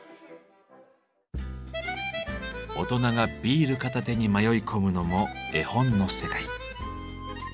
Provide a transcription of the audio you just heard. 大人がビール片手に迷い込むのも絵本の世界。